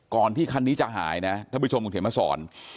ก่อนที่คันนี้จะหายนะท่านผู้ชมกรุงเถียงมาสอน